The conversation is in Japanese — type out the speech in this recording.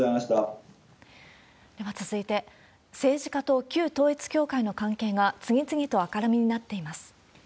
では続いて、政治家と旧統一教会の関係が次々と明るみになっています。